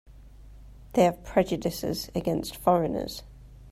They have prejudices against foreigners.